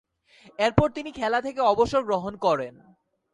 এরপর তিনি খেলা থেকে অবসর গ্রহণ করেন।